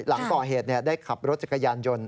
หลังก่อเหตุได้ขับรถจักรยานยนต์